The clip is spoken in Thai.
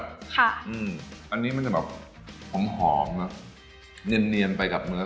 ของกุ้งตัวเนี้ยแหละค่ะอืมอันนี้มันจะแบบหอมเนียนไปกับมื้อ